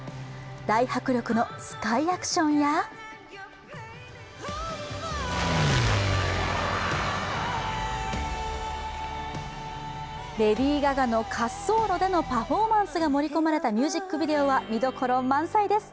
大迫力のスカイアクションや、レディー・ガガの滑走路でのパフォーマンスが盛り込まれたミュージックビデオは見どころ満載です。